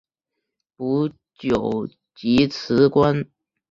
不久即辞官。